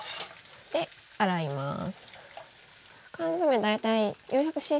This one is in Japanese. で洗います。